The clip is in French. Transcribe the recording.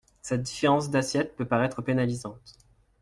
Cette différence d’assiette peut paraître pénalisante.